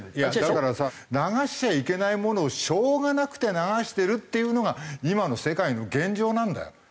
だからさ流しちゃいけないものをしょうがなくて流してるっていうのが今の世界の現状なんだよ。